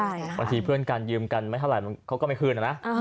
บางทีเพื่อนกันยืมกันไม่เท่าไหร่เขาก็ไม่คืนนะ